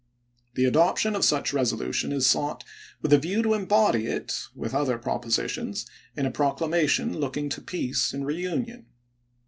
The adoption of such resolution is sought with a view to embody it, with other propositions, in a proclamation looking to peace and reunion.